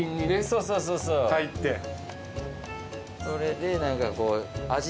それで何かこう味変。